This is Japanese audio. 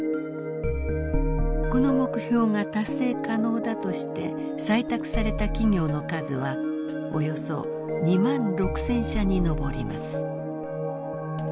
この目標が達成可能だとして採択された企業の数はおよそ２万６，０００社に上ります。